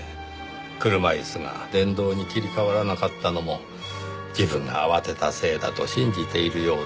車椅子が電動に切り替わらなかったのも自分が慌てたせいだと信じているようですし。